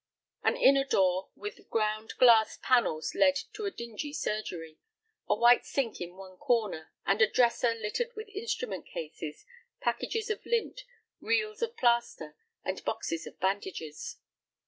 An inner door with ground glass panels led to a dingy surgery, a white sink in one corner, and a dresser littered with instrument cases, packages of lint, reels of plaster, and boxes of bandages.